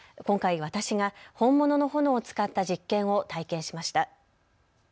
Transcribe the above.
今回、私が本物の炎を使った実験を体験しました。